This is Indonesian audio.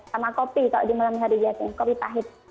sama kopi kalau di malam hari biasanya kopi pahit